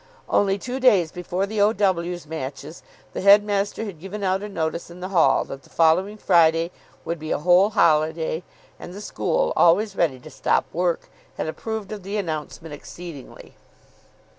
Only two days before the O.W.'s matches the headmaster had given out a notice in the hall that the following Friday would be a whole holiday; and the school, always ready to stop work, had approved of the announcement exceedingly.